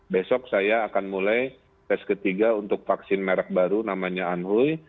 besok saya akan mulai tes ketiga untuk vaksin merek baru namanya anhui